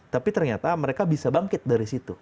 tapi ternyata mereka bisa bangkit dari situ